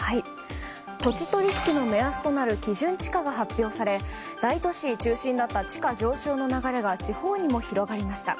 土地取引の目安となる基準地価が発表され大都市中心だった地価上昇の流れが地方にも広がりました。